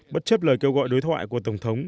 bất chấp lời kêu gọi đối thoại của tổng thống